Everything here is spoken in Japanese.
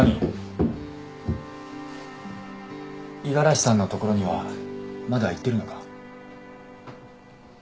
五十嵐さんのところにはまだ行ってるのか？